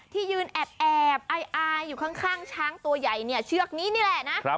ที่ยืนแอบอายอยู่ข้างช้างตัวใหญ่เนี่ยเชือกนี้นี่แหละนะ